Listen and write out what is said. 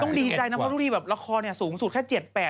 ดีใจนะเพราะทุกทีแบบละครสูงสุดแค่๗๘